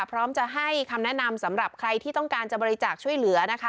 พร้อมจะให้คำแนะนำสำหรับใครที่ต้องการจะบริจาคช่วยเหลือนะคะ